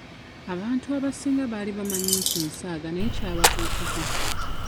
Abantu abasinga baali bamanyi nti nsaaga naye kyababuukako.